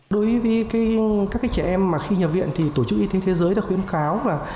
đối với các trẻ em khi nhập viện thì tổ chức y tế thế giới đã khuyến kháo là